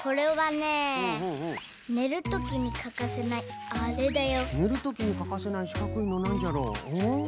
ねるときにかかせないしかくいのなんじゃろう？